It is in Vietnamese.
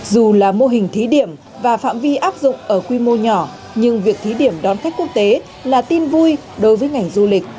dù là mô hình thí điểm và phạm vi áp dụng ở quy mô nhỏ nhưng việc thí điểm đón khách quốc tế là tin vui đối với ngành du lịch